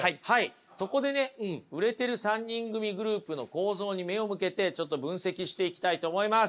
そこでね売れてる３人組グループの構造に目を向けてちょっと分析していきたいと思います。